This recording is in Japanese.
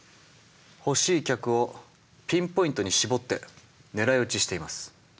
欲しい客をピンポイントに絞って狙い撃ちしています。